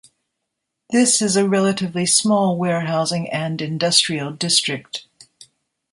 This is a relatively small warehousing and industrial district.